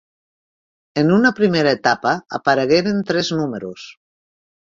En una primera etapa aparegueren tres números.